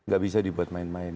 gak bisa dibuat main main